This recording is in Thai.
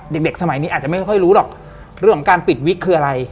เด็กเด็กสมัยนี้อาจจะไม่ค่อยรู้หรอกเรื่องของการปิดวิกคืออะไร